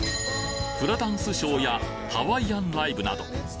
フラダンスショーやハワイアンライブなど